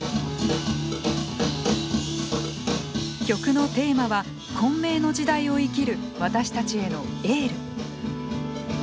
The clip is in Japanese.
曲のテーマは混迷の時代を生きる私たちへのエール。